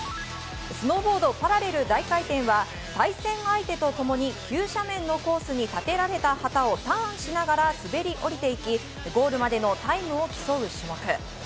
スノーボード・パラレル大回転は対戦相手とともに急斜面のコースに立てられた旗をターンしながら滑り降りていきゴールまでのタイムを競う種目。